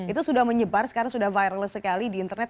itu sudah menyebar sekarang sudah viral sekali di internet